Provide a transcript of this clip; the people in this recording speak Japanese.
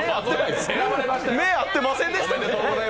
目合ってませんでしたよ。